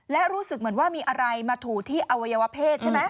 และรู้สึกเหมือนว่ามีอะไรมาถูที่อวัยวะเพศใช่ไหม